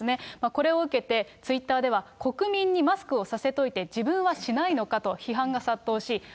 これを受けて、ツイッターでは、国民にマスクをさせといて自分はしないのかと批判が殺到し、＃